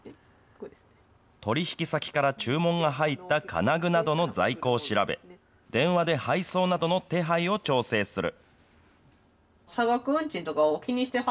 取り引き先から注文が入った金具などの在庫を調べ、電話で配送などの手配を調整する。